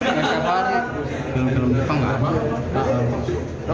yang kemarin film film depan gak ada